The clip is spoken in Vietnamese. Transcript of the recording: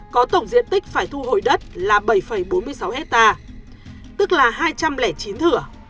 có tổng diện tích phải thu hồi đất là bảy bốn mươi sáu hectare tức là hai trăm linh chín thửa